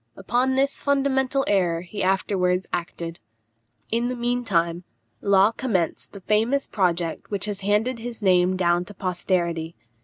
Upon this fundamental error he afterwards acted. In the mean time, Law commenced the famous project which has handed his name down to posterity.